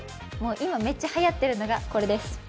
今、めっちゃはやってるのがこれです。